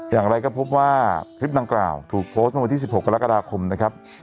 อย่างไรก็พบว่าคลิปดังกล่าวถูกโพสต์เมื่อวันที่๑๖กรกฎาคมนะครับ